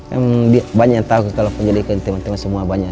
emang banyak yang tahu kalau penyelidikan teman teman semua banyak